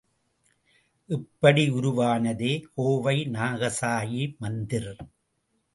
இப்படி உருவானதே கோவை நாகசாயி மந்திர்.